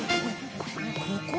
ここ？